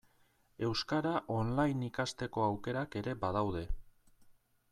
Euskara online ikasteko aukerak ere badaude.